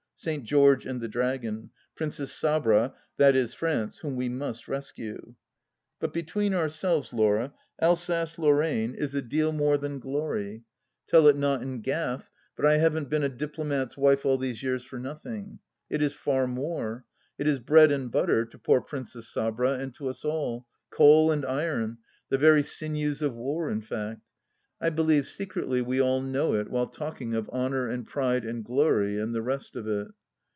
St. George and the Dragon. ... Princess Sabra, i.e. France, whom we must rescue. ... But between ourselves, Laura, Alsace Lorraine is a deal 90 THE LAST DITCH more than glory. Tell it not in Gath, but I haven't been a diplomat's wife all these years for nothing. It is far more : it is bread and butter to poor Princess Sabra and to us all ; coal and iron — ^the very sinews of war, in fact. I believe, secretly, we all know it while talking of. Honour and Pride and Glory and the rest of it.